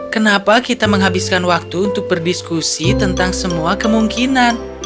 kenapa kita menghabiskan waktu untuk berdiskusi tentang semua kemungkinan